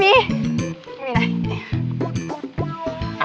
ไม่มีไร